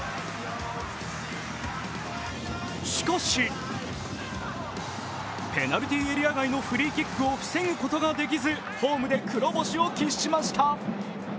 しかし、ペナルティー外のフリーキックを防ぐことができずホームで黒星を喫しました。